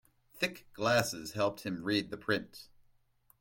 Thick glasses helped him read the print.